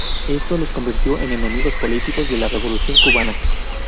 Esto los convirtió en enemigos políticos de la Revolución cubana.